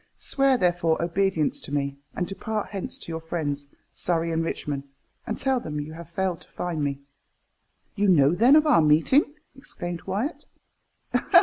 Swear, therefore, obedience to me, and depart hence to your friends, Surrey and Richmond, and tell them you have failed to find me." "You know, then, of our meeting?" exclaimed Wyat.